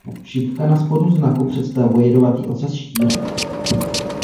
Šipka na spodu znaku představuje jedovatý ocas Štíra.